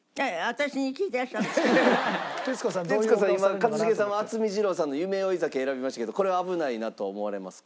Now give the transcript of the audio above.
徹子さん今一茂さんは渥美二郎さんの『夢追い酒』選びましたけどこれは危ないなと思われますか？